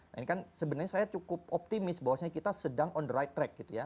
nah ini kan sebenarnya saya cukup optimis bahwasanya kita sedang on the right track gitu ya